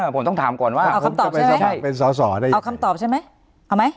ผมต้องถามก่อนว่าเอาคำตอบใช่ไหม